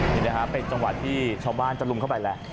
นี่นะครับเป็นจังหวะที่ชาวบ้านจะลุมเข้าไปแล้ว